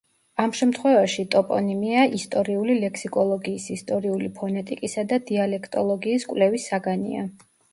ამ შემთხვევაში ტოპონიმია ისტორიული ლექსიკოლოგიის, ისტორიული ფონეტიკისა და დიალექტოლოგიის კვლევის საგანია.